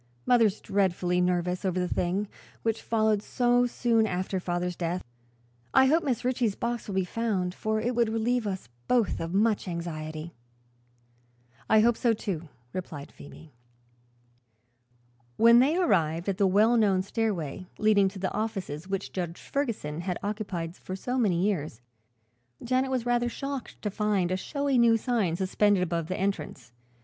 Mother's dreadfully nervous over the thing, which followed so soon after father's death. I hope Mrs. Ritchie's box will be found, for it would relieve us both of much anxiety." "I hope so, too," replied Phoebe. When they arrived at the well known stairway leading to the offices which Judge Ferguson had occupied for so many years, Janet was rather shocked to find a showy new sign suspended above the entrance.